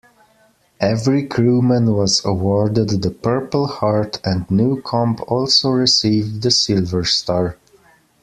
Every crewman was awarded the Purple Heart, and Newcomb also received the Silver Star.